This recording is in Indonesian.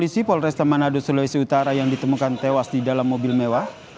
sudah nyaman dia kerja di sekolah